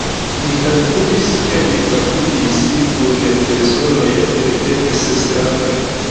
Mi kalkulis, ke mi babilis kun personoj el dek ses landoj.